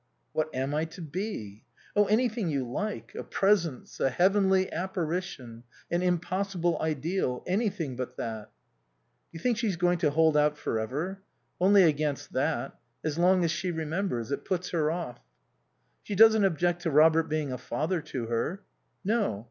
"What am I to be?" "Oh, anything you like. A presence. A heavenly apparition. An impossible ideal. Anything but that." "Do you think she's going to hold out for ever?" "Only against that. As long as she remembers. It puts her off." "She doesn't object to Robert being a father to her." "No.